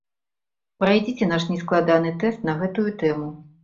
Прайдзіце наш нескладаны тэст на гэтую тэму!